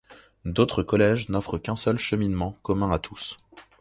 D'autres collèges n'offrent qu'un seul cheminement commun à tous.